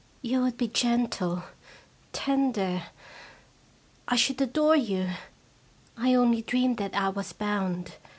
You would be gentle, tender. 1 should adore you ! I only dreamed that I was bound.